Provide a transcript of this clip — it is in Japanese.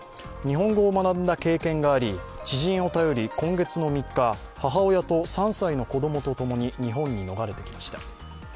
日本語を学んだ経験があり、知人を頼り、今月の３日、母親と３歳の子供と共に日本に逃れてきました。